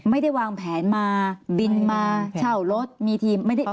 ไม่ได้วางแผนมาบินมาเช่ารถมีทีมไม่ได้